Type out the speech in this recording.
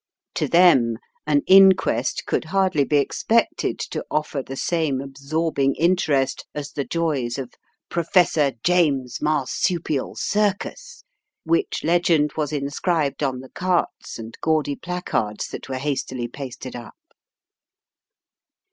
To them an inquest could hardly be expected to offer the same absorbing interest as the joys of The Trap 259 "Professor James' Marsupial Circus/' which legend was inscribed on the carts and gaudy placards that were hastily pasted up.